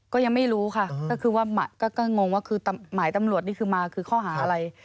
ก็ยังไม่รู้ค่ะก็งงว่าหมายตำรวจมาคือข้อหาอะไร